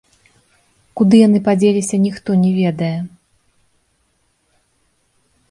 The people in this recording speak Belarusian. Куды яны падзеліся, ніхто не ведае.